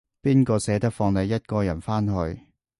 邊個捨得放你一個人返去